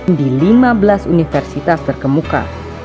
dan di lima belas universitas terkemuka